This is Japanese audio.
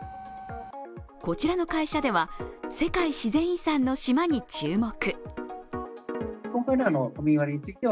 こちらの会社では、世界自然遺産の島に注目。